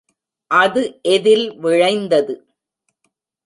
அது எதில் விளைந்தது?